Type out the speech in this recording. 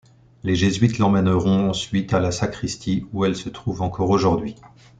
Les jésuites l'emmèneront ensuite à la sacristie, où elle se trouve encore aujourd'hui.